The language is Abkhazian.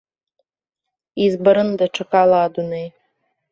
Избарын даҽакала адунеи.